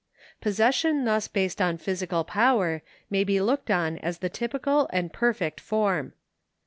Possession thus based on physical power may be looked on as the typical and perfect form.